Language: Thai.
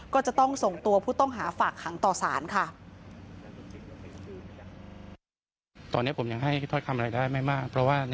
ก็จะต้องส่งตัวผู้ต้องหาฝากขังต่อสารค่ะ